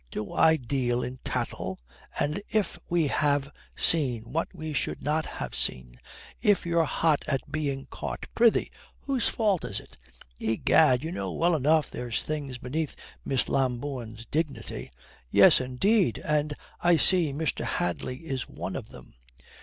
Do I deal in tattle? And if we have seen what we should not ha' seen, if you're hot at being caught, prithee, whose fault is it? Egad, you know well enough there's things beneath Miss Lambourne's dignity." "Yes, indeed, and I see Mr. Hadley is one of them."